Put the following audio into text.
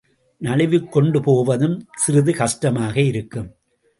நழுவிக்கொண்டு போவதும் சிறிது கஷ்டமாக இருக்கும்.